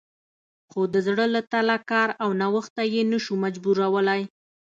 خو د زړه له تله کار او نوښت ته یې نه شو مجبورولی